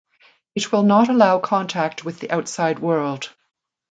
It will not allow contact with the outside world.